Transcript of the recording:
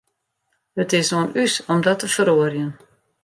It is oan ús om dat te feroarjen.